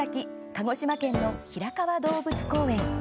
鹿児島県の平川動物公園。